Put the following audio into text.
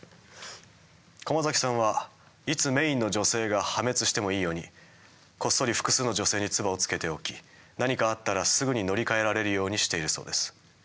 駒崎さんはいつメインの女性が破滅してもいいようにこっそり複数の女性にツバをつけておき何かあったらすぐに乗り換えられるようにしているそうです。